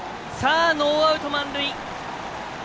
ノーアウト、満塁。